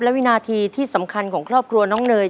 และวินาทีที่สำคัญของครอบครัวน้องเนย